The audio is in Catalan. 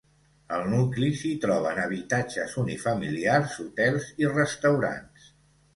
Al nucli s'hi troben habitatges unifamiliars, hotels i restaurants.